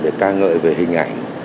để ca ngợi về hình ảnh